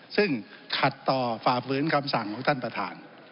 ซึ่งขัดต่อฝ่าฝืนคำสั่งของท่านประธาน